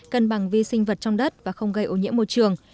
cân bằng vi sinh vật trong đất và không gây ô nhiễm môi trường